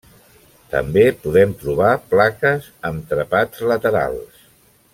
També podem trobar plaques amb trepats laterals.